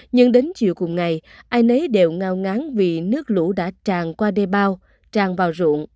nhưng đến chiều cùng ngày ai nấy đều ngao ngáng vì nước lũ đã tràn qua đê bao tràn vào ruộng